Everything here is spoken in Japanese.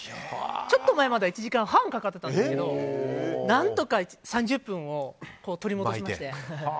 ちょっと前までは１時間半かかってたんですけど何とか３０分を取り戻しまして。